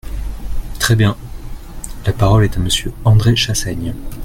Très bien ! La parole est à Monsieur André Chassaigne.